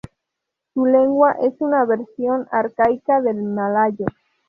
Su lengua es una versión arcaica del malayo.